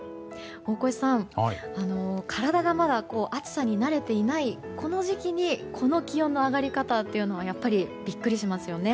大越さん体がまだ暑さに慣れていないこの時期にこの気温の上がり方というのはやっぱりビックリしますよね。